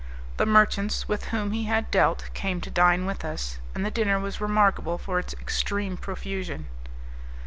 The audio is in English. The merchants with whom he had dealt came to dine with us, and the dinner was remarkable for its extreme profusion.